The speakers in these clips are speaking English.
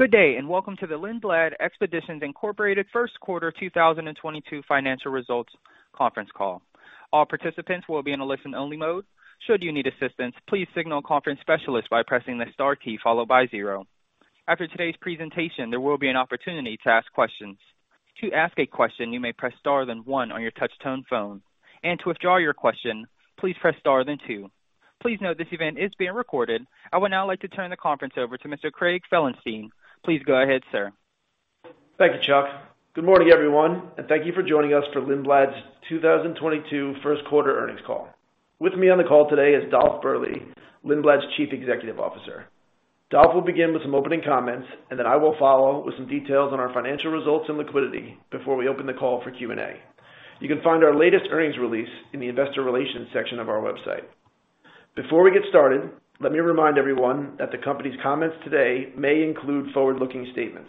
Good day, and welcome to the Lindblad Expeditions Holdings, Inc First Quarter 2022 financial results conference call. All participants will be in a listen-only mode. Should you need assistance, please signal a conference specialist by pressing the star key followed by zero. After today's presentation, there will be an opportunity to ask questions. To ask a question, you may press star then one on your touch-tone phone, and to withdraw your question, please press star then two. Please note this event is being recorded. I would now like to turn the conference over to Mr. Craig Felenstein. Please go ahead, sir. Thank you, Chuck. Good morning, everyone, and thank you for joining us for Lindblad's 2022 first quarter earnings call. With me on the call today is Dolf Berle, Lindblad's Chief Executive Officer. Dolf will begin with some opening comments, and then I will follow with some details on our financial results and liquidity before we open the call for Q&A. You can find our latest earnings release in the investor relations section of our website. Before we get started, let me remind everyone that the company's comments today may include forward-looking statements.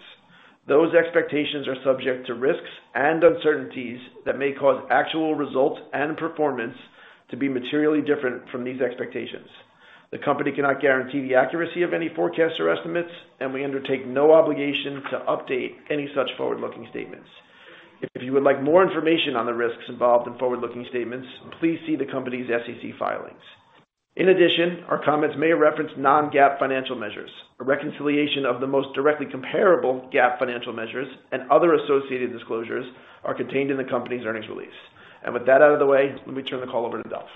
Those expectations are subject to risks and uncertainties that may cause actual results and performance to be materially different from these expectations. The company cannot guarantee the accuracy of any forecasts or estimates, and we undertake no obligation to update any such forward-looking statements. If you would like more information on the risks involved in forward-looking statements, please see the company's SEC filings. In addition, our comments may reference non-GAAP financial measures. A reconciliation of the most directly comparable GAAP financial measures and other associated disclosures are contained in the company's earnings release. With that out of the way, let me turn the call over to Dolf.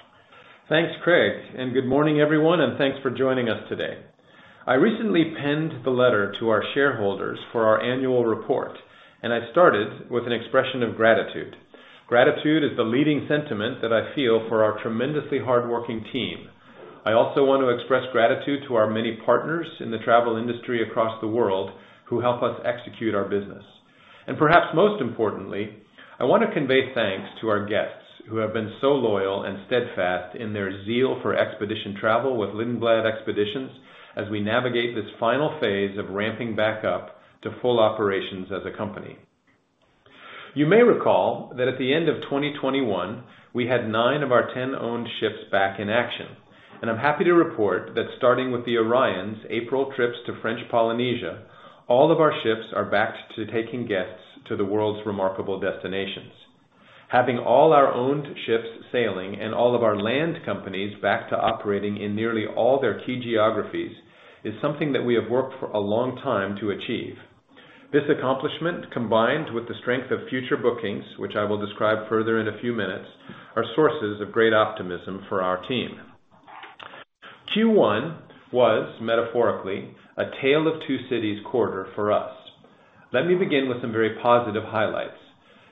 Thanks, Craig, and good morning, everyone, and thanks for joining us today. I recently penned the letter to our shareholders for our annual report, and I started with an expression of gratitude. Gratitude is the leading sentiment that I feel for our tremendously hardworking team. I also want to express gratitude to our many partners in the travel industry across the world who help us execute our business. Perhaps most importantly, I want to convey thanks to our guests who have been so loyal and steadfast in their zeal for expedition travel with Lindblad Expeditions as we navigate this final phase of ramping back up to full operations as a company. You may recall that at the end of 2021, we had nine of our 10 owned ships back in action. I'm happy to report that starting with the Orion's April trips to French Polynesia, all of our ships are back to taking guests to the world's remarkable destinations. Having all our owned ships sailing and all of our land companies back to operating in nearly all their key geographies is something that we have worked for a long time to achieve. This accomplishment, combined with the strength of future bookings, which I will describe further in a few minutes, are sources of great optimism for our team. Q1 was metaphorically a tale of two cities quarter for us. Let me begin with some very positive highlights.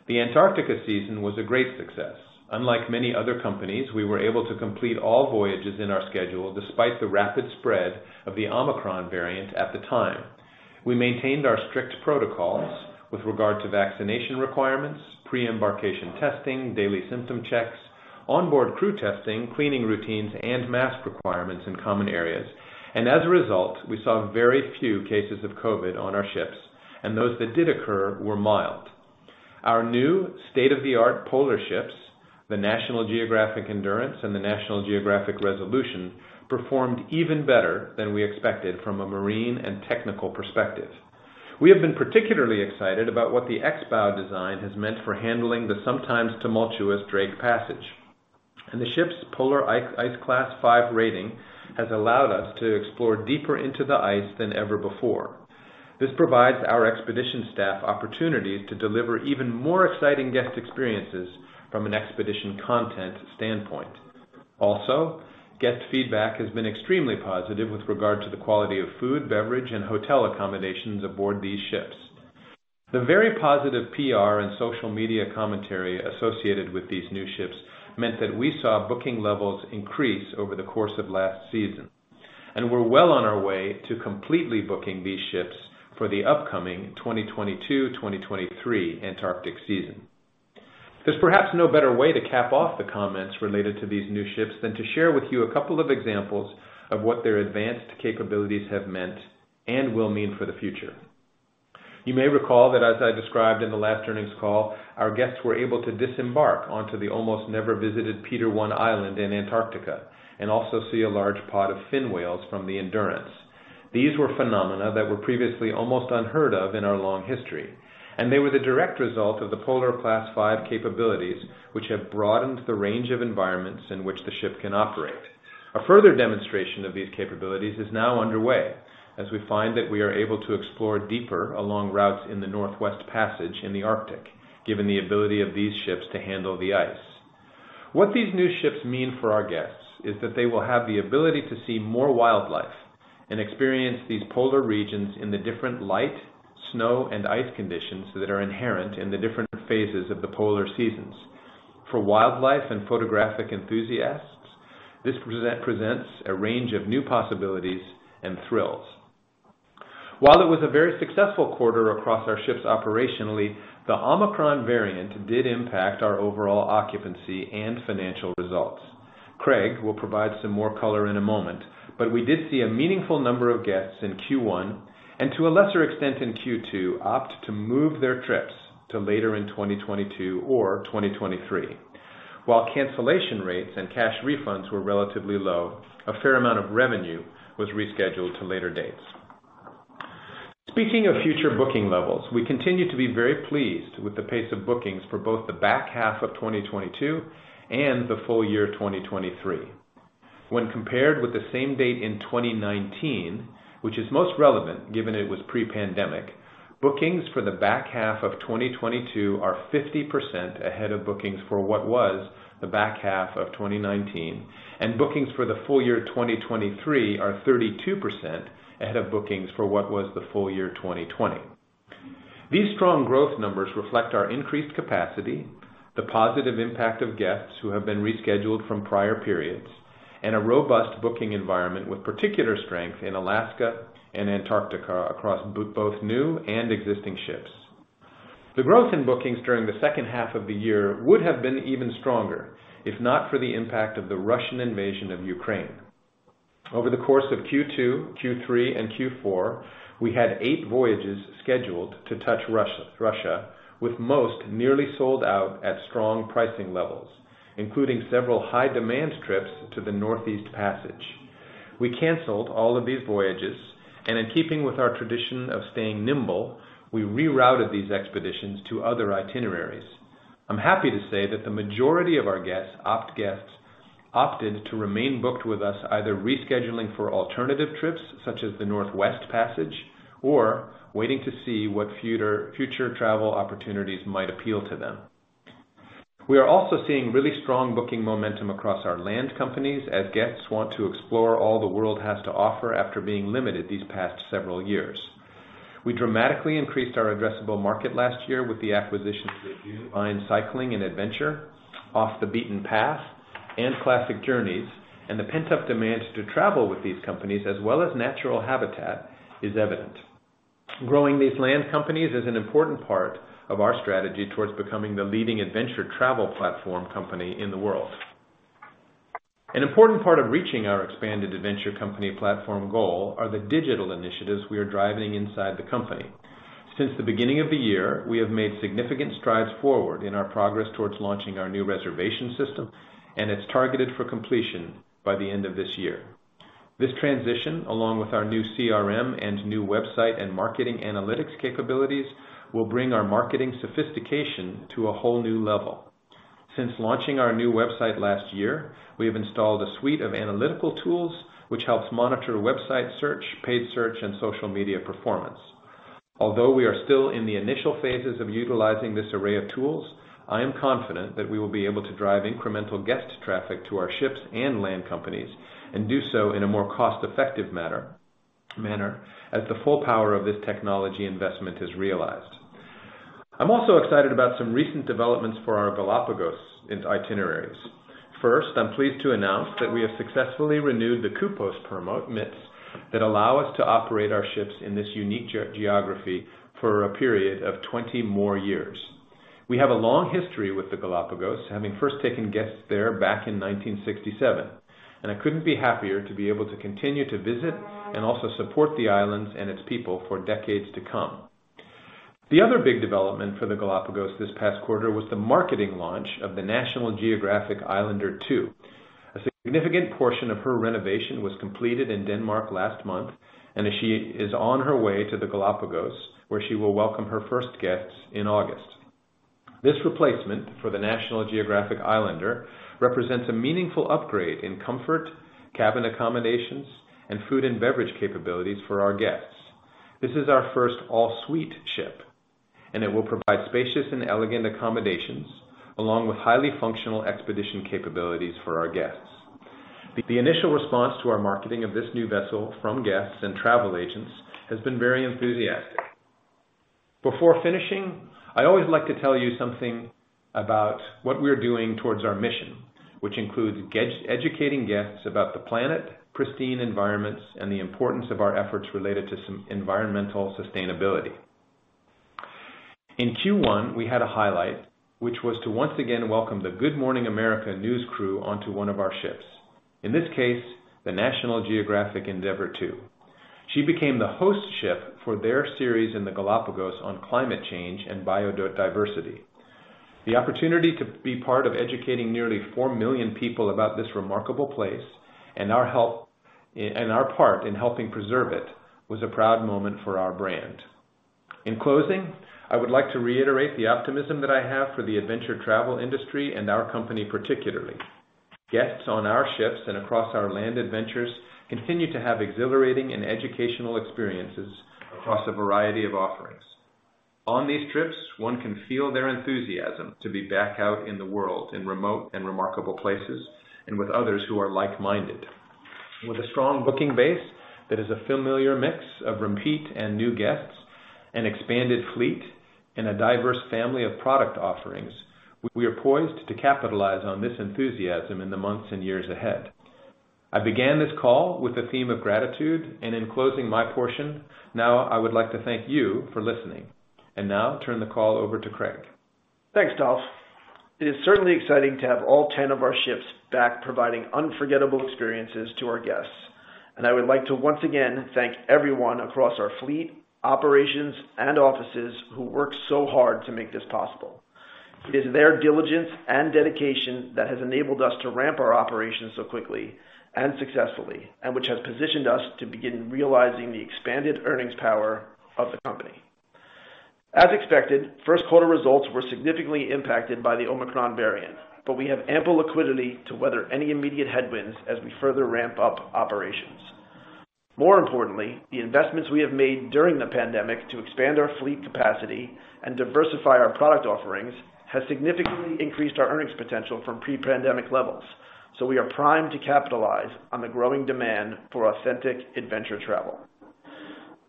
The Antarctica season was a great success. Unlike many other companies, we were able to complete all voyages in our schedule despite the rapid spread of the Omicron variant at the time. We maintained our strict protocols with regard to vaccination requirements, pre-embarkation testing, daily symptom checks, onboard crew testing, cleaning routines, and mask requirements in common areas. As a result, we saw very few cases of COVID on our ships, and those that did occur were mild. Our new state-of-the-art polar ships, the National Geographic Endurance and the National Geographic Resolution, performed even better than we expected from a marine and technical perspective. We have been particularly excited about what the X-BOW design has meant for handling the sometimes tumultuous Drake Passage. The ship's Polar Class 5 rating has allowed us to explore deeper into the ice than ever before. This provides our expedition staff opportunities to deliver even more exciting guest experiences from an expedition content standpoint. Also, guest feedback has been extremely positive with regard to the quality of food, beverage, and hotel accommodations aboard these ships. The very positive PR and social media commentary associated with these new ships meant that we saw booking levels increase over the course of last season. We're well on our way to completely booking these ships for the upcoming 2022/2023 Antarctic season. There's perhaps no better way to cap off the comments related to these new ships than to share with you a couple of examples of what their advanced capabilities have meant and will mean for the future. You may recall that as I described in the last earnings call, our guests were able to disembark onto the almost never visited Peter I Island in Antarctica and also see a large pod of fin whales from the Endurance. These were phenomena that were previously almost unheard of in our long history, and they were the direct result of the Polar Class 5 capabilities, which have broadened the range of environments in which the ship can operate. A further demonstration of these capabilities is now underway as we find that we are able to explore deeper along routes in the Northwest Passage in the Arctic, given the ability of these ships to handle the ice. What these new ships mean for our guests is that they will have the ability to see more wildlife and experience these polar regions in the different light, snow, and ice conditions that are inherent in the different phases of the polar seasons. For wildlife and photographic enthusiasts, this presents a range of new possibilities and thrills. While it was a very successful quarter across our ships operationally, the Omicron variant did impact our overall occupancy and financial results. Craig will provide some more color in a moment, but we did see a meaningful number of guests in Q1, and to a lesser extent in Q2, opt to move their trips to later in 2022 or 2023. While cancellation rates and cash refunds were relatively low, a fair amount of revenue was rescheduled to later dates. Speaking of future booking levels, we continue to be very pleased with the pace of bookings for both the back half of 2022 and the full year 2023. When compared with the same date in 2019, which is most relevant, given it was pre-pandemic, bookings for the back half of 2022 are 50% ahead of bookings for what was the back half of 2019, and bookings for the full year of 2023 are 32% ahead of bookings for what was the full year 2020. These strong growth numbers reflect our increased capacity, the positive impact of guests who have been rescheduled from prior periods, and a robust booking environment with particular strength in Alaska and Antarctica across both new and existing ships. The growth in bookings during the second half of the year would have been even stronger if not for the impact of the Russian invasion of Ukraine. Over the course of Q2, Q3 and Q4, we had eight voyages scheduled to touch Russia with most nearly sold out at strong pricing levels, including several high demand trips to the Northeast Passage. We canceled all of these voyages, and in keeping with our tradition of staying nimble, we rerouted these expeditions to other itineraries. I'm happy to say that the majority of our guests opted to remain booked with us, either rescheduling for alternative trips, such as the Northwest Passage, or waiting to see what future travel opportunities might appeal to them. We are also seeing really strong booking momentum across our land companies as guests want to explore all the world has to offer after being limited these past several years. We dramatically increased our addressable market last year with the acquisition of Natural Habitat Adventures, DuVine Cycling + Adventure Co, Off the Beaten Path, and Classic Journeys, and the pent-up demand to travel with these companies as well as Natural Habitat Adventures is evident. Growing these land companies is an important part of our strategy towards becoming the leading adventure travel platform company in the world. An important part of reaching our expanded adventure company platform goal are the digital initiatives we are driving inside the company. Since the beginning of the year, we have made significant strides forward in our progress towards launching our new reservation system, and it's targeted for completion by the end of this year. This transition, along with our new CRM and new website and marketing analytics capabilities, will bring our marketing sophistication to a whole new level. Since launching our new website last year, we have installed a suite of analytical tools which helps monitor website search, paid search, and social media performance. Although we are still in the initial phases of utilizing this array of tools, I am confident that we will be able to drive incremental guest traffic to our ships and land companies and do so in a more cost-effective manner as the full power of this technology investment is realized. I'm also excited about some recent developments for our Galápagos itineraries. First, I'm pleased to announce that we have successfully renewed the CUPOS permits that allow us to operate our ships in this unique geography for a period of 20 more years. We have a long history with the Galápagos, having first taken guests there back in 1967, and I couldn't be happier to be able to continue to visit and also support the islands and its people for decades to come. The other big development for the Galápagos this past quarter was the marketing launch of the National Geographic Islander II. A significant portion of her renovation was completed in Denmark last month, and she is on her way to the Galápagos, where she will welcome her first guests in August. This replacement for the National Geographic Islander represents a meaningful upgrade in comfort, cabin accommodations, and food and beverage capabilities for our guests. This is our first all suite ship, and it will provide spacious and elegant accommodations along with highly functional expedition capabilities for our guests. The initial response to our marketing of this new vessel from guests and travel agents has been very enthusiastic. Before finishing, I always like to tell you something about what we're doing towards our mission, which includes educating guests about the planet, pristine environments, and the importance of our efforts related to some environmental sustainability. In Q1, we had a highlight, which was to once again welcome the Good Morning America news crew onto one of our ships, in this case, the National Geographic Endeavour II. She became the host ship for their series in the Galápagos on climate change and biodiversity. The opportunity to be part of educating nearly 4 million people about this remarkable place and our part in helping preserve it was a proud moment for our brand. In closing, I would like to reiterate the optimism that I have for the adventure travel industry and our company particularly. Guests on our ships and across our land adventures continue to have exhilarating and educational experiences across a variety of offerings. On these trips, one can feel their enthusiasm to be back out in the world in remote and remarkable places and with others who are like-minded. With a strong booking base that is a familiar mix of repeat and new guests, an expanded fleet, and a diverse family of product offerings, we are poised to capitalize on this enthusiasm in the months and years ahead. I began this call with a theme of gratitude, and in closing my portion, now I would like to thank you for listening. Now turn the call over to Craig. Thanks, Dolf. It is certainly exciting to have all 10 of our ships back providing unforgettable experiences to our guests. I would like to once again thank everyone across our fleet, operations, and offices who worked so hard to make this possible. It is their diligence and dedication that has enabled us to ramp our operations so quickly and successfully, and which has positioned us to begin realizing the expanded earnings power of the company. As expected, first quarter results were significantly impacted by the Omicron variant, but we have ample liquidity to weather any immediate headwinds as we further ramp up operations. More importantly, the investments we have made during the pandemic to expand our fleet capacity and diversify our product offerings has significantly increased our earnings potential from pre-pandemic levels, so we are primed to capitalize on the growing demand for authentic adventure travel.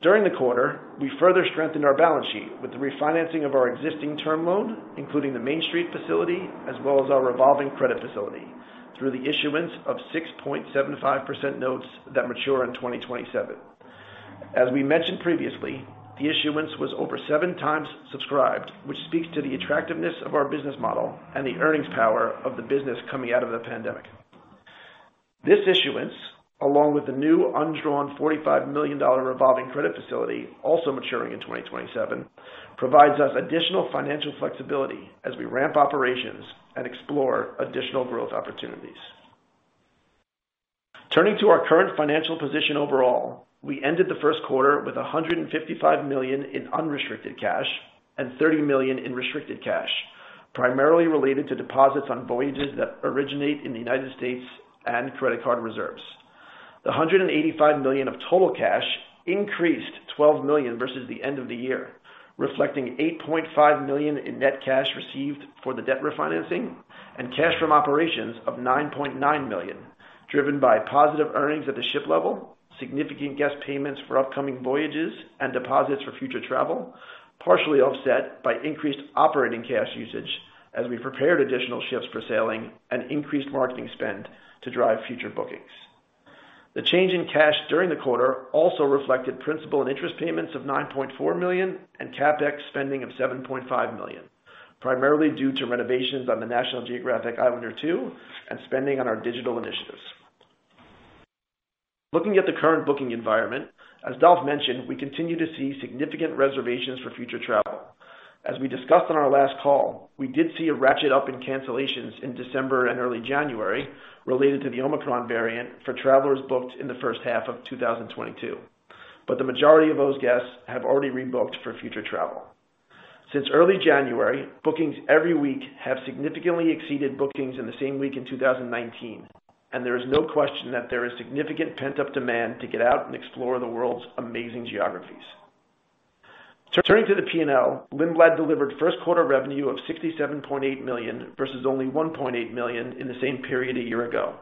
During the quarter, we further strengthened our balance sheet with the refinancing of our existing term loan, including the Main Street Facility, as well as our revolving credit facility through the issuance of 6.75% notes that mature in 2027. As we mentioned previously, the issuance was over 7x subscribed, which speaks to the attractiveness of our business model and the earnings power of the business coming out of the pandemic. This issuance, along with the new undrawn $45 million revolving credit facility, also maturing in 2027, provides us additional financial flexibility as we ramp operations and explore additional growth opportunities. Turning to our current financial position overall, we ended the first quarter with $155 million in unrestricted cash and $30 million in restricted cash, primarily related to deposits on voyages that originate in the United States and credit card reserves. The $185 million of total cash increased $12 million versus the end of the year, reflecting $8.5 million in net cash received for the debt refinancing and cash from operations of $9.9 million, driven by positive earnings at the ship level, significant guest payments for upcoming voyages and deposits for future travel, partially offset by increased operating cash usage as we prepared additional ships for sailing and increased marketing spend to drive future bookings. The change in cash during the quarter also reflected principal and interest payments of $9.4 million and CapEx spending of $7.5 million, primarily due to renovations on the National Geographic Islander II and spending on our digital initiatives. Looking at the current booking environment, as Dolf mentioned, we continue to see significant reservations for future travel. As we discussed on our last call, we did see a ratchet up in cancellations in December and early January related to the Omicron variant for travelers booked in the first half of 2022. The majority of those guests have already rebooked for future travel. Since early January, bookings every week have significantly exceeded bookings in the same week in 2019, and there is no question that there is significant pent-up demand to get out and explore the world's amazing geographies. Turning to the P&L, Lindblad delivered first quarter revenue of $67.8 million, versus only $1.8 million in the same period a year ago.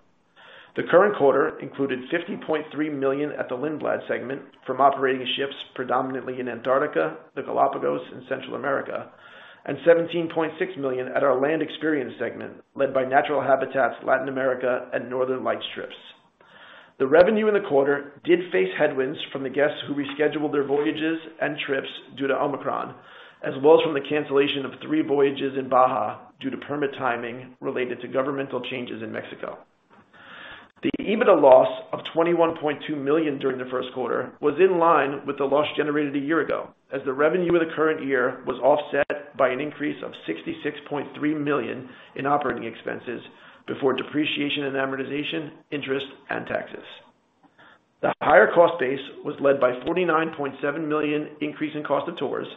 The current quarter included $50.3 million at the Lindblad segment from operating ships predominantly in Antarctica, the Galápagos, and Central America, and $17.6 million at our Land Experiences segment, led by Natural Habitat Adventures' Latin America and Northern Lights trips. The revenue in the quarter did face headwinds from the guests who rescheduled their voyages and trips due to Omicron, as well as from the cancellation of three voyages in Baja due to permit timing related to governmental changes in Mexico. The EBITDA loss of $21.2 million during the first quarter was in line with the loss generated a year ago as the revenue of the current year was offset by an increase of $66.3 million in operating expenses before depreciation and amortization, interest, and taxes. The higher cost base was led by $49.7 million increase in cost of tours,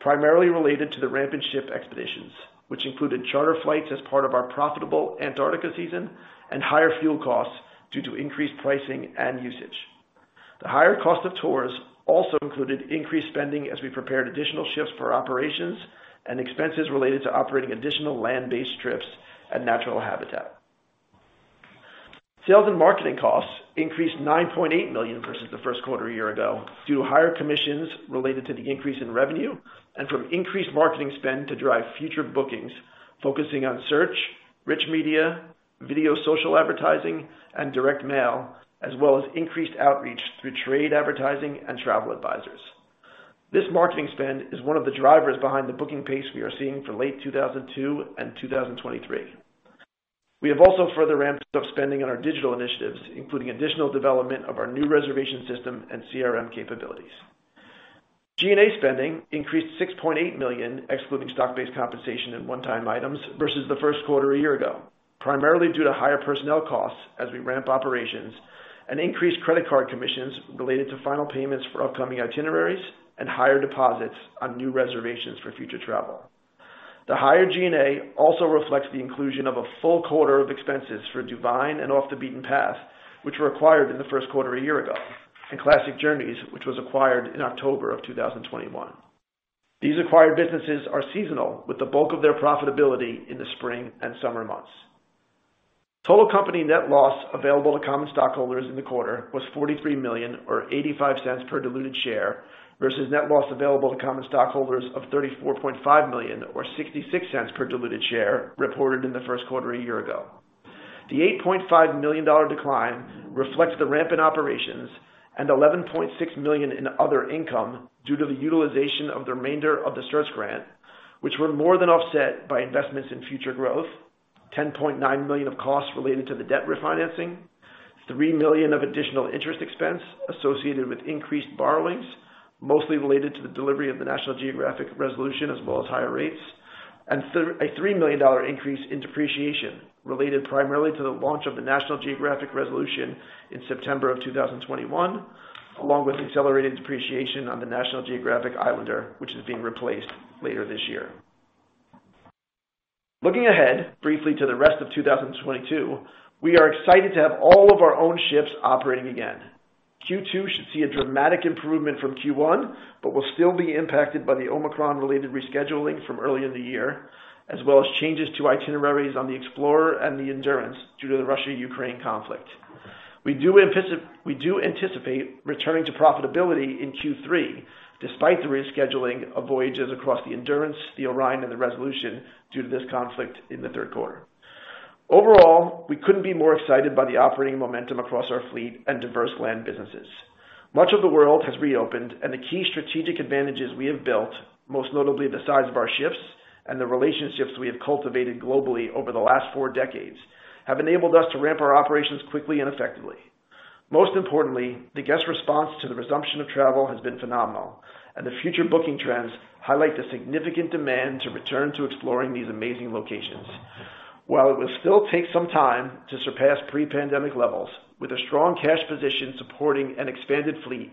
primarily related to the Lindblad ship expeditions, which included charter flights as part of our profitable Antarctica season and higher fuel costs due to increased pricing and usage. The higher cost of tours also included increased spending as we prepared additional ships for operations and expenses related to operating additional land-based trips at Natural Habitat. Sales and marketing costs increased $9.8 million versus the first quarter a year ago, due to higher commissions related to the increase in revenue and from increased marketing spend to drive future bookings, focusing on search, rich media, video, social advertising, and direct mail, as well as increased outreach through trade advertising and travel advisors. This marketing spend is one of the drivers behind the booking pace we are seeing for late 2022 and 2023. We have also further ramped up spending on our digital initiatives, including additional development of our new reservation system and CRM capabilities. G&A spending increased $6.8 million, excluding stock-based compensation and one-time items, versus the first quarter a year ago, primarily due to higher personnel costs as we ramp operations and increased credit card commissions related to final payments for upcoming itineraries and higher deposits on new reservations for future travel. The higher G&A also reflects the inclusion of a full quarter of expenses for DuVine and Off the Beaten Path, which were acquired in the first quarter a year ago, and Classic Journeys, which was acquired in October of 2021. These acquired businesses are seasonal, with the bulk of their profitability in the spring and summer months. Total company net loss available to common stockholders in the quarter was $43 million or $0.85 per diluted share, versus net loss available to common stockholders of $34.5 million or $0.66 per diluted share reported in the first quarter a year ago. The $8.5 million decline reflects the ramp in operations and $11.6 million in other income due to the utilization of the remainder of the CERTS grant, which were more than offset by investments in future growth. $10.9 million of costs related to the debt refinancing, $3 million of additional interest expense associated with increased borrowings, mostly related to the delivery of the National Geographic Resolution, as well as higher rates, and $3 million increase in depreciation related primarily to the launch of the National Geographic Resolution in September 2021, along with accelerated depreciation on the National Geographic Islander, which is being replaced later this year. Looking ahead briefly to the rest of 2022, we are excited to have all of our own ships operating again. Q2 should see a dramatic improvement from Q1, but will still be impacted by the Omicron-related rescheduling from early in the year, as well as changes to itineraries on the Explorer and the Endurance due to the Russia-Ukraine conflict. We do anticipate returning to profitability in Q3 despite the rescheduling of voyages across the Endurance, the Orion, and the Resolution due to this conflict in the third quarter. Overall, we couldn't be more excited by the operating momentum across our fleet and diverse land businesses. Much of the world has reopened, and the key strategic advantages we have built, most notably the size of our ships and the relationships we have cultivated globally over the last four decades, have enabled us to ramp our operations quickly and effectively. Most importantly, the guest response to the resumption of travel has been phenomenal, and the future booking trends highlight the significant demand to return to exploring these amazing locations. While it will still take some time to surpass pre-pandemic levels, with a strong cash position supporting an expanded fleet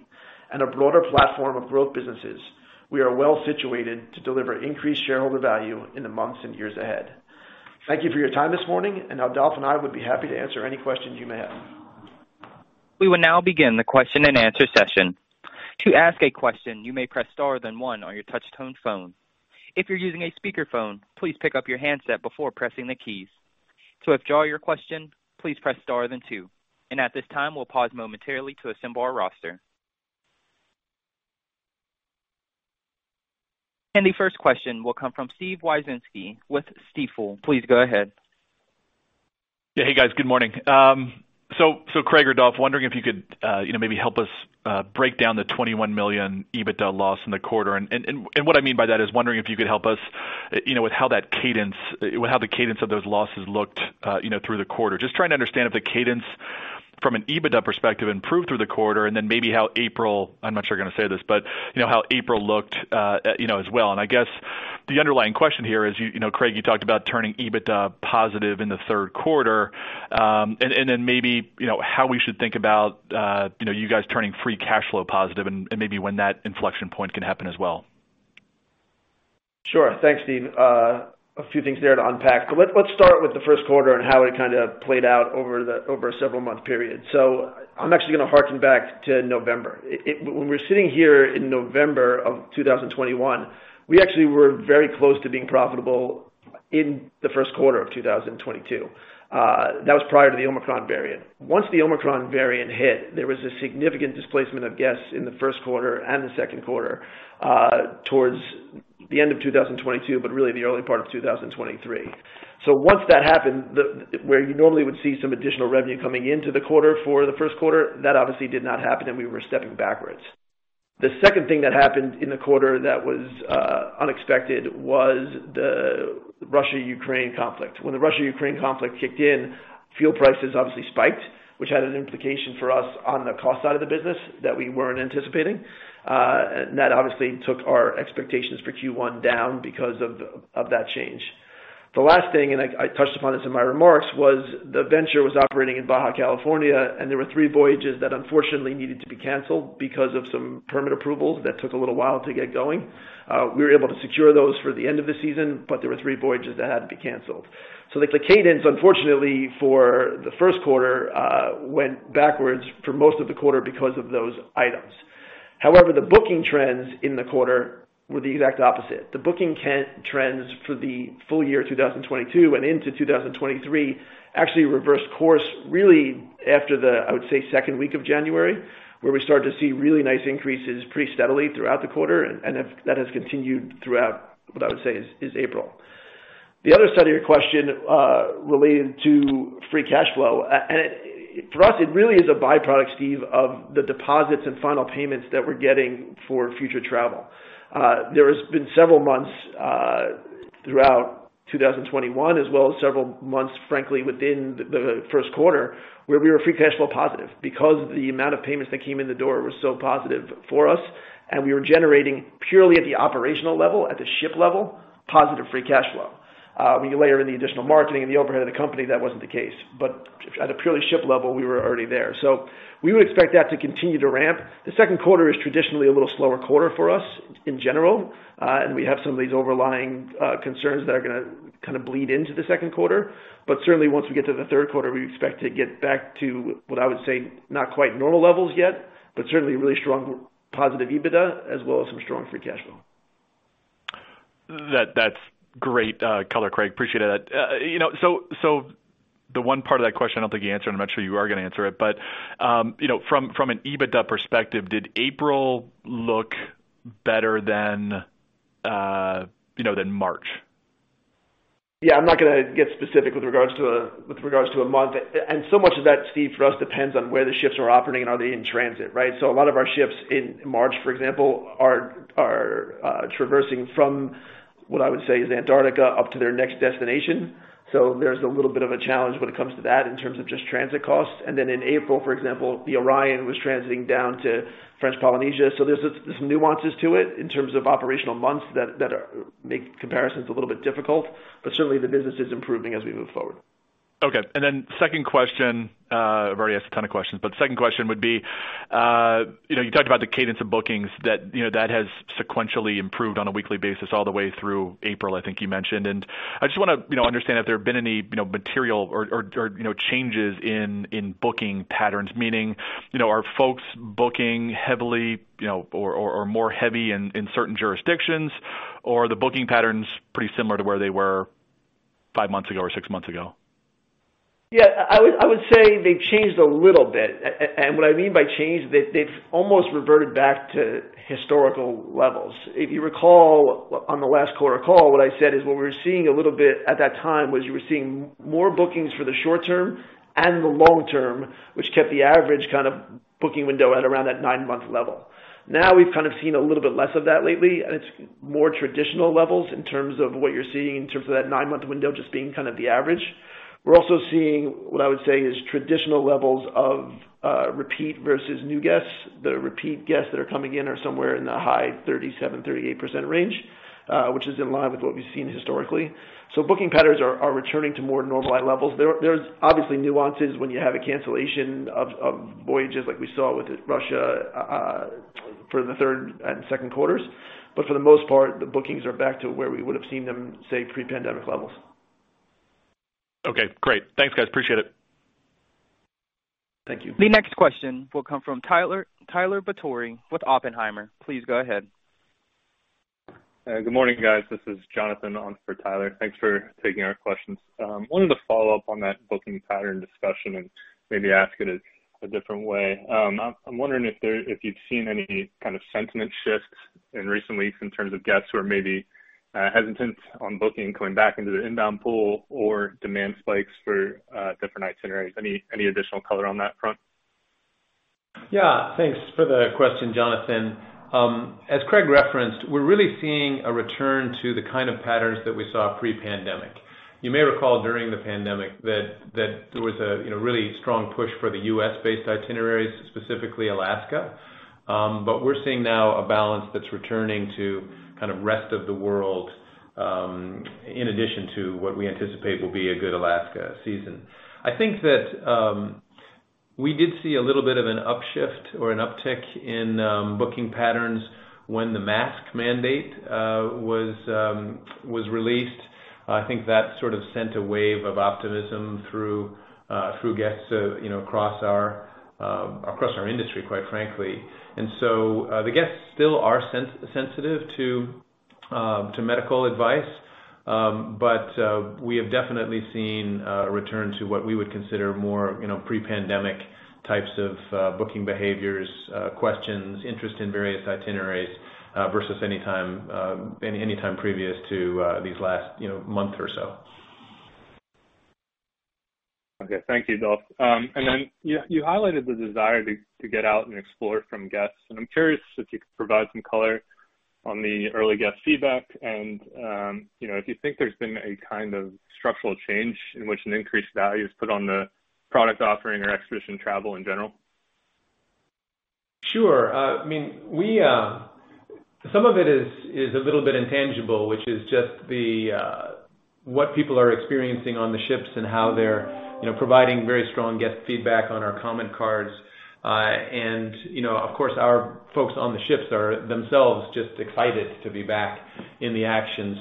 and a broader platform of growth businesses, we are well situated to deliver increased shareholder value in the months and years ahead. Thank you for your time this morning, and Dolf Berle and I would be happy to answer any questions you may have. We will now begin the question-and-answer session. To ask a question, you may press star then one on your touchtone phone. If you're using a speakerphone, please pick up your handset before pressing the keys. To withdraw your question, please press star then two. At this time, we'll pause momentarily to assemble our roster. The first question will come from Steve Wieczynski with Stifel. Please go ahead. Yeah. Hey, guys. Good morning. Craig or Dolf, wondering if you could, you know, maybe help us break down the $21 million EBITDA loss in the quarter. What I mean by that is wondering if you could help us, you know, with how the cadence of those losses looked, you know, through the quarter. Just trying to understand if the cadence from an EBITDA perspective improved through the quarter and then maybe how April, I'm not sure you're gonna say this, but you know, how April looked, you know, as well. I guess the underlying question here is, you know, Craig, you talked about turning EBITDA positive in the third quarter, and then maybe, you know, how we should think about you guys turning Free Cash Flow positive and maybe when that inflection point can happen as well? Sure. Thanks, Steve. A few things there to unpack. Let's start with the first quarter and how it kinda played out over a several-month period. I'm actually gonna harken back to November. When we're sitting here in November of 2021, we actually were very close to being profitable in the first quarter of 2022. That was prior to the Omicron variant. Once the Omicron variant hit, there was a significant displacement of guests in the first quarter and the second quarter, towards the end of 2022, but really the early part of 2023. Once that happened, where you normally would see some additional revenue coming into the quarter for the first quarter, that obviously did not happen, and we were stepping backwards. The second thing that happened in the quarter that was unexpected was the Russia-Ukraine conflict. When the Russia-Ukraine conflict kicked in, fuel prices obviously spiked, which had an implication for us on the cost side of the business that we weren't anticipating. That obviously took our expectations for Q1 down because of that change. The last thing, and I touched upon this in my remarks, was the Venture was operating in Baja California, and there were three voyages that unfortunately needed to be canceled because of some permit approvals that took a little while to get going. We were able to secure those for the end of the season, but there were three voyages that had to be canceled. The cadence, unfortunately, for the first quarter, went backwards for most of the quarter because of those items. However, the booking trends in the quarter were the exact opposite. The booking cancellation trends for the full year 2022 and into 2023 actually reversed course really after the, I would say, second week of January, where we started to see really nice increases pretty steadily throughout the quarter, and that has continued throughout what I would say is April. The other side of your question related to Free Cash Flow. For us, it really is a byproduct, Steve, of the deposits and final payments that we're getting for future travel. There has been several months throughout 2021 as well as several months, frankly, within the first quarter, where we were Free Cash Flow positive because the amount of payments that came in the door was so positive for us, and we were generating purely at the operational level, at the ship level, positive Free Cash Flow. When you layer in the additional marketing and the overhead of the company, that wasn't the case. At a purely ship level, we were already there. We would expect that to continue to ramp. The second quarter is traditionally a little slower quarter for us in general, and we have some of these overlying concerns that are gonna kinda bleed into the second quarter. Certainly once we get to the third quarter, we expect to get back to what I would say, not quite normal levels yet, but certainly really strong positive EBITDA as well as some strong Free Cash Flow. That's great color, Craig. Appreciate that. You know, the one part of that question I don't think you answered, I'm not sure you are gonna answer it, but you know, from an EBITDA perspective, did April look better than March? Yeah. I'm not gonna get specific with regards to a month. So much of that, Steve, for us, depends on where the ships are operating and are they in transit, right? A lot of our ships in March, for example, are traversing from what I would say is Antarctica up to their next destination. There's a little bit of a challenge when it comes to that in terms of just transit costs. In April, for example, the Orion was transiting down to French Polynesia. There's some nuances to it in terms of operational months that make comparisons a little bit difficult, but certainly the business is improving as we move forward. Okay. Second question, I've already asked a ton of questions, but second question would be, you know, you talked about the cadence of bookings that, you know, that has sequentially improved on a weekly basis all the way through April, I think you mentioned. I just wanna, you know, understand if there have been any, you know, material or changes in booking patterns. Meaning, you know, are folks booking heavily, you know, or more heavy in certain jurisdictions, or are the booking patterns pretty similar to where they were five months ago or six months ago? Yeah, I would say they've changed a little bit. What I mean by changed, they've almost reverted back to historical levels. If you recall on the last quarter call, what I said is what we were seeing a little bit at that time was you were seeing more bookings for the short term and the long term, which kept the average kind of booking window at around that nine-month level. Now we've kind of seen a little bit less of that lately, and it's more traditional levels in terms of what you're seeing in terms of that nine-month window just being kind of the average. We're also seeing what I would say is traditional levels of repeat versus new guests. The repeat guests that are coming in are somewhere in the high 37%-38% range, which is in line with what we've seen historically. Booking patterns are returning to more normalized levels. There's obviously nuances when you have a cancellation of voyages like we saw with Russia for the third and second quarters. For the most part, the bookings are back to where we would've seen them, say, pre-pandemic levels. Okay, great. Thanks, guys. Appreciate it. Thank you. The next question will come from Tyler Batory with Oppenheimer. Please go ahead. Good morning, guys. This is Jonathan on for Tyler. Thanks for taking our questions. Wanted to follow up on that booking pattern discussion and maybe ask it a different way. I'm wondering if you've seen any kind of sentiment shifts in recent weeks in terms of guests who are maybe hesitant on booking coming back into the inbound pool or demand spikes for different itineraries. Any additional color on that front? Yeah. Thanks for the question, Jonathan. As Craig referenced, we're really seeing a return to the kind of patterns that we saw pre-pandemic. You may recall during the pandemic that there was a, you know, really strong push for the U.S.-based itineraries, specifically Alaska. We're seeing now a balance that's returning to kind of rest of the world, in addition to what we anticipate will be a good Alaska season. I think that we did see a little bit of an upshift or an uptick in booking patterns when the mask mandate was released. I think that sort of sent a wave of optimism through guests, you know, across our industry, quite frankly. The guests still are sensitive to medical advice. We have definitely seen a return to what we would consider more, you know, pre-pandemic types of booking behaviors, questions, interest in various itineraries versus any time previous to these last, you know, month or so. Okay. Thank you, Dolf. You highlighted the desire to get out and explore from guests, and I'm curious if you could provide some color on the early guest feedback and, you know, if you think there's been a kind of structural change in which an increased value is put on the product offering or expedition travel in general. Sure. I mean, some of it is a little bit intangible, which is just the what people are experiencing on the ships and how they're, you know, providing very strong guest feedback on our comment cards. You know, of course, our folks on the ships are themselves just excited to be back in the action.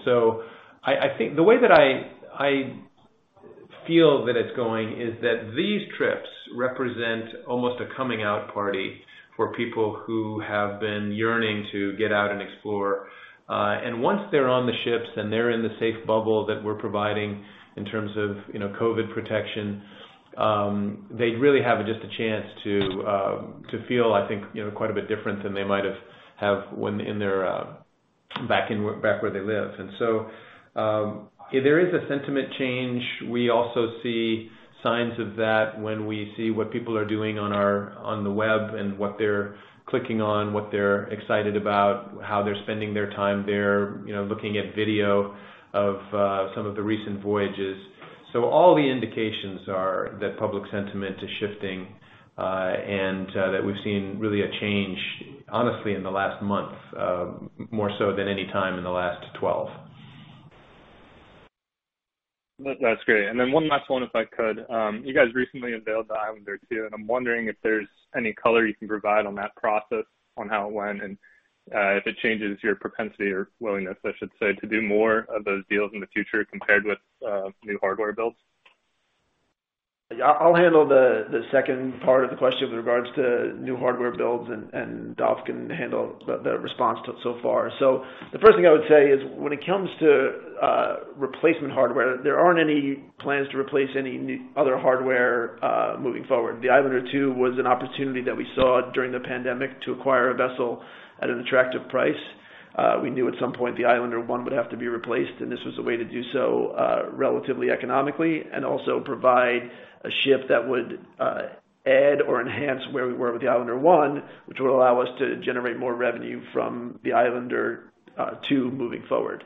I think the way that I feel that it's going is that these trips represent almost a coming out party for people who have been yearning to get out and explore. Once they're on the ships and they're in the safe bubble that we're providing in terms of, you know, COVID protection, they really have just a chance to feel, I think, you know, quite a bit different than they might have when in their back where they live. There is a sentiment change. We also see signs of that when we see what people are doing on our, on the web and what they're clicking on, what they're excited about, how they're spending their time there, you know, looking at video of some of the recent voyages. All the indications are that public sentiment is shifting, and that we've seen really a change, honestly, in the last month, more so than any time in the last 12. That's great. One last one, if I could. You guys recently unveiled the National Geographic Islander II, and I'm wondering if there's any color you can provide on that process, on how it went, and if it changes your propensity or willingness, I should say, to do more of those deals in the future compared with newbuilds. Yeah, I'll handle the second part of the question with regards to new hardware builds, and Dolf can handle the response to it so far. The first thing I would say is when it comes to replacement hardware, there aren't any plans to replace any new other hardware moving forward. The Islander II was an opportunity that we saw during the pandemic to acquire a vessel at an attractive price. We knew at some point the Islander One would have to be replaced, and this was a way to do so, relatively economically and also provide a ship that would add or enhance where we were with the Islander One, which would allow us to generate more revenue from the Islander Two moving forward.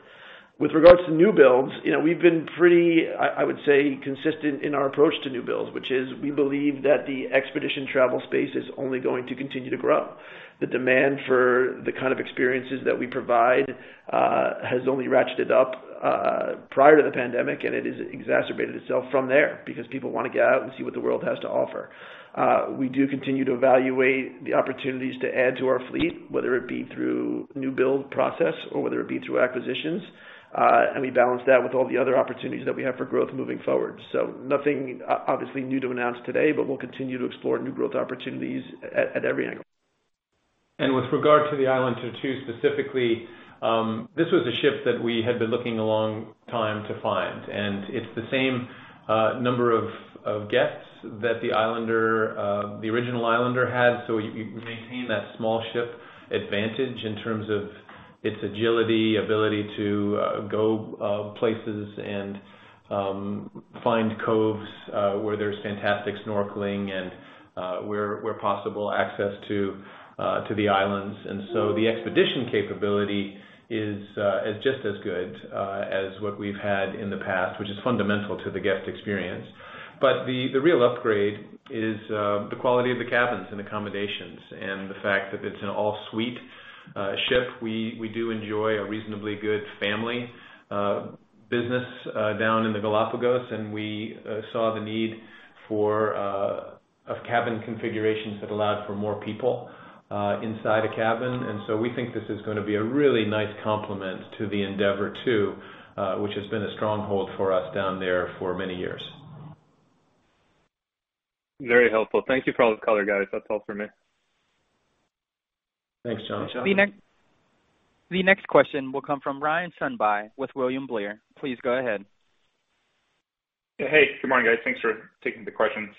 With regards to new builds, you know, we've been pretty, I would say, consistent in our approach to new builds, which is we believe that the expedition travel space is only going to continue to grow. The demand for the kind of experiences that we provide has only ratcheted up prior to the pandemic, and it has exacerbated itself from there because people wanna get out and see what the world has to offer. We do continue to evaluate the opportunities to add to our fleet, whether it be through new build process or whether it be through acquisitions. We balance that with all the other opportunities that we have for growth moving forward. Nothing obviously new to announce today, but we'll continue to explore new growth opportunities at every angle. With regard to the Islander II specifically, this was a ship that we had been looking for a long time to find, and it's the same number of guests that the Islander, the original Islander had. You maintain that small ship advantage in terms of its agility, ability to go places and find coves where there's fantastic snorkeling and where possible access to the islands. The expedition capability is just as good as what we've had in the past, which is fundamental to the guest experience. The real upgrade is the quality of the cabins and accommodations and the fact that it's an all-suite ship. We do enjoy a reasonably good family business down in the Galápagos, and we saw the need for cabin configurations that allowed for more people inside a cabin. We think this is gonna be a really nice complement to the Endeavour II, which has been a stronghold for us down there for many years. Very helpful. Thank you for all the color, guys. That's all for me. Thanks, John. Thanks, John. The next question will come from Ryan Sundby with William Blair. Please go ahead. Hey. Good morning, guys. Thanks for taking the questions.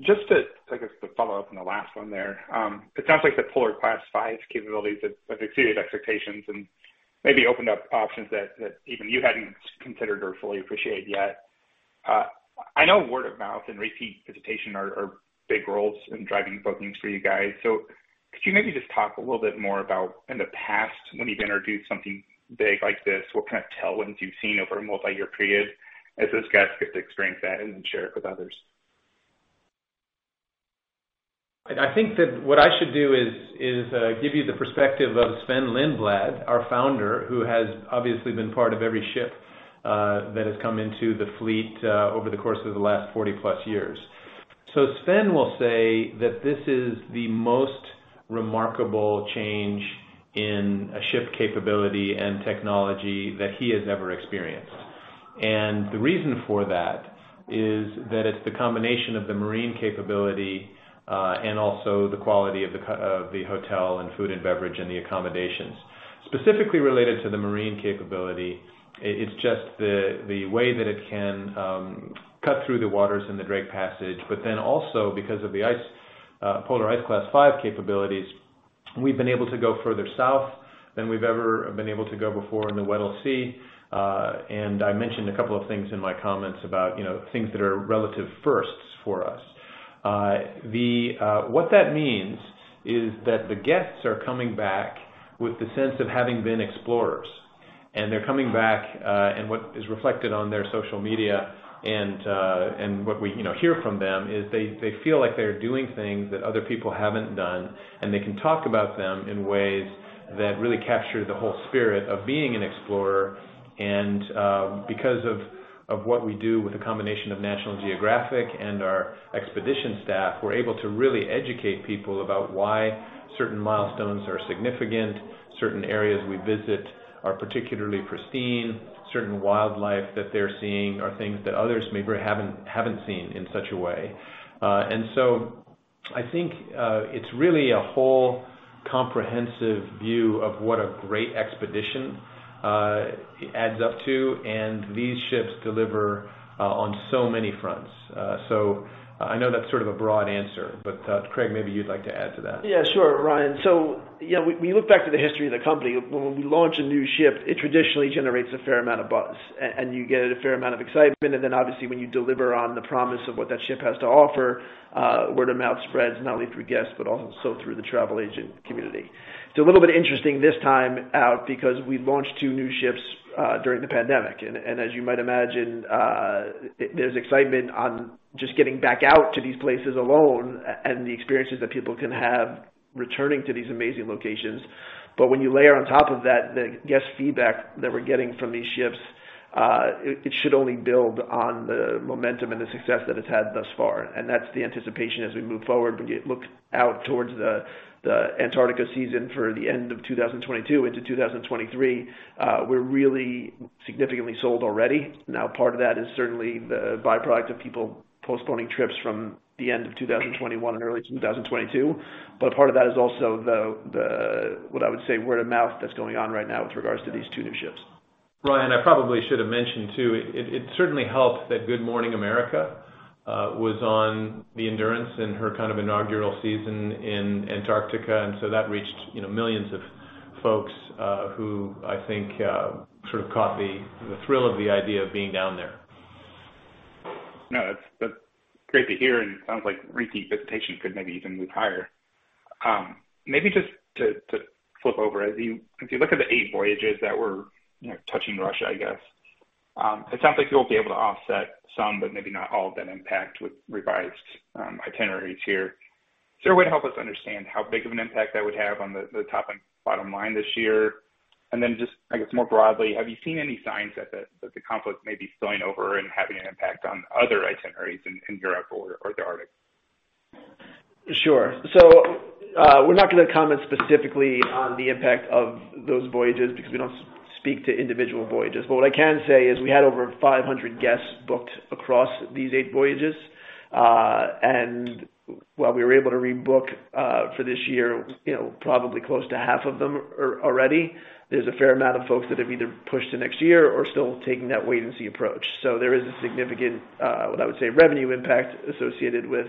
Just to follow up on the last one there, it sounds like the Polar Class 5 capabilities have exceeded expectations and maybe opened up options that even you hadn't considered or fully appreciated yet. I know word of mouth and repeat visitation are big roles in driving bookings for you guys. Could you maybe just talk a little bit more about in the past when you've introduced something big like this, what kind of tailwinds you've seen over a multiyear period as those guests get to experience that and then share it with others? I think that what I should do is give you the perspective of Sven-Olof Lindblad, our Founder, who has obviously been part of every ship that has come into the fleet over the course of the last 40+ years. Sven will say that this is the most remarkable change in a ship capability and technology that he has ever experienced. The reason for that is that it's the combination of the marine capability and also the quality of the hotel and food and beverage and the accommodations. Specifically related to the marine capability, it's just the way that it can cut through the waters in the Drake Passage, but then also because of the ice, Polar Class 5 capabilities, we've been able to go further south than we've ever been able to go before in the Weddell Sea. I mentioned a couple of things in my comments about, you know, things that are relative firsts for us. What that means is that the guests are coming back with the sense of having been explorers, and what is reflected on their social media and what we, you know, hear from them is they feel like they're doing things that other people haven't done, and they can talk about them in ways that really capture the whole spirit of being an explorer. Because of what we do with a combination of National Geographic and our expedition staff, we're able to really educate people about why certain milestones are significant, certain areas we visit are particularly pristine, certain wildlife that they're seeing are things that others maybe haven't seen in such a way. I think it's really a whole comprehensive view of what a great expedition adds up to, and these ships deliver on so many fronts. I know that's sort of a broad answer, but Craig, maybe you'd like to add to that. Yeah, sure, Ryan. You know, when we look back to the history of the company, when we launch a new ship, it traditionally generates a fair amount of buzz, and you get a fair amount of excitement. Obviously, when you deliver on the promise of what that ship has to offer, word of mouth spreads not only through guests but also through the travel agent community. It's a little bit interesting this time out because we launched two new ships during the pandemic. As you might imagine, there's excitement on just getting back out to these places alone and the experiences that people can have returning to these amazing locations. When you layer on top of that the guest feedback that we're getting from these ships, it should only build on the momentum and the success that it's had thus far. That's the anticipation as we move forward. We look out towards the Antarctica season for the end of 2022 into 2023. We're really significantly sold already. Now, part of that is certainly the byproduct of people postponing trips from the end of 2021 and early 2022. Part of that is also the what I would say, word of mouth that's going on right now with regards to these two new ships. Ryan, I probably should have mentioned, too, it certainly helped that Good Morning America was on the Endurance in her kind of inaugural season in Antarctica, and so that reached, you know, millions of folks, who I think sort of caught the thrill of the idea of being down there. No, that's great to hear, and sounds like repeat visitation could maybe even move higher. Maybe just to flip over. If you look at the eight voyages that were, you know, touching Russia, I guess, it sounds like you'll be able to offset some, but maybe not all of that impact with revised itineraries here. Is there a way to help us understand how big of an impact that would have on the top and bottom line this year? Just I guess more broadly, have you seen any signs that the conflict may be spilling over and having an impact on other itineraries in Europe or the Arctic? Sure. We're not gonna comment specifically on the impact of those voyages because we don't speak to individual voyages. What I can say is we had over 500 guests booked across these eight voyages. While we were able to rebook for this year, you know, probably close to half of them already, there's a fair amount of folks that have either pushed to next year or are still taking that wait and see approach. There is a significant what I would say, revenue impact associated with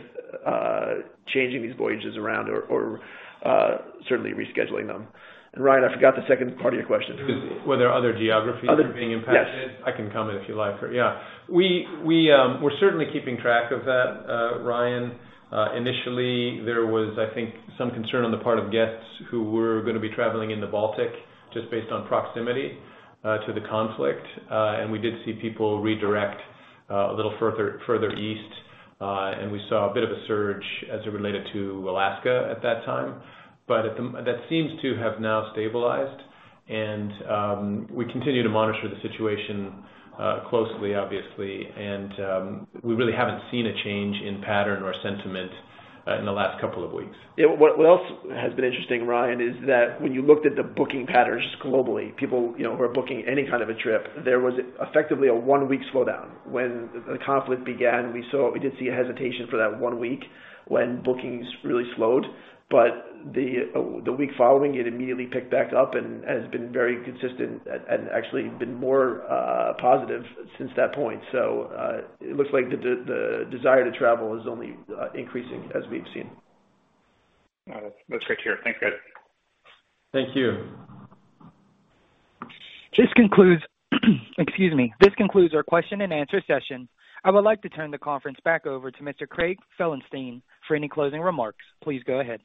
changing these voyages around or certainly rescheduling them. Ryan, I forgot the second part of your question. Were there other geographies that are being impacted? Yes. I can comment if you like. Yeah. We're certainly keeping track of that, Ryan. Initially there was, I think, some concern on the part of guests who were gonna be traveling in the Baltic just based on proximity to the conflict. We did see people redirect a little further east, and we saw a bit of a surge as it related to Alaska at that time. That seems to have now stabilized and we continue to monitor the situation closely obviously, and we really haven't seen a change in pattern or sentiment in the last couple of weeks. Yeah. What else has been interesting, Ryan, is that when you looked at the booking patterns globally, people, you know, who are booking any kind of a trip, there was effectively a one-week slowdown. When the conflict began, we did see a hesitation for that one week when bookings really slowed. The week following, it immediately picked back up and has been very consistent and actually been more positive since that point. It looks like the desire to travel is only increasing as we've seen. All right. That's great to hear. Thanks, guys. Thank you. This concludes our question and answer session. I would like to turn the conference back over to Mr. Craig Felenstein for any closing remarks. Please go ahead.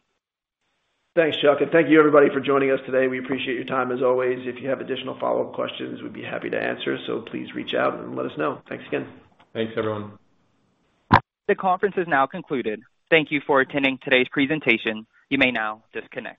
Thanks, Chuck, and thank you everybody for joining us today. We appreciate your time as always. If you have additional follow questions, we'd be happy to answer, so please reach out and let us know. Thanks again. Thanks, everyone. The conference is now concluded. Thank you for attending today's presentation. You may now disconnect.